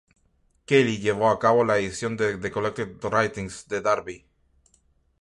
Kelly llevó a cabo la edición de "The Collected Writings" de Darby.